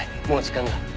もう時間が。